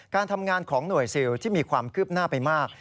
การทำงานของหน่วยซิลที่มีความคืบหน้าไปมาก